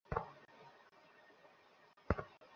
তিনি বললেন, হ্যাঁ।